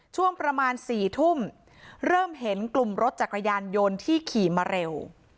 ช่วงประมาณ๔ทุ่มเริ่มเห็นกลุ่มรถจักรยานยนต์ที่ขี่มาเร็ว